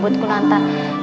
buat kun anta